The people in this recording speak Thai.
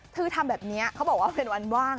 คือทำแบบนี้เขาบอกว่าเป็นวันว่าง